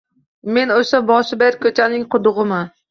Men o’sha boshi berk ko’chaning qudug’idaman